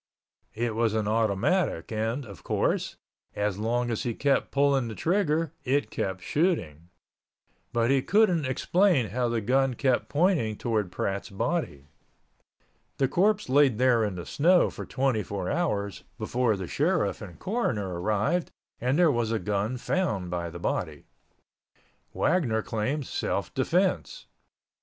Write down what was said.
It was an automatic and, of course, as long as he kept pulling the trigger it kept shooting, but he couldn't explain how the gun kept pointing towards Pratt's body. The corpse laid there in the snow for twenty four hours before the sheriff and coroner arrived and there was a gun found by the body. Wagner claimed self defense.